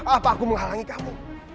apa aku menghalangi kamu